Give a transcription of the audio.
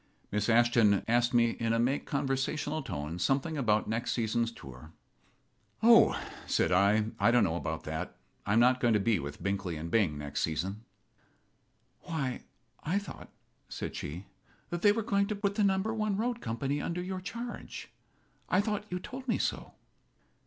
Miss Ashton asked me in a make conversational tone something about the next season's tour. "Oh," said I, "I don't know about that. I'm not going to be with Binkley & Bing next season." "Why, I thought," said she, "that they were going to put the Number One road company under your charge. I thought you told me so."